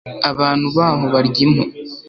abantu baho barya impu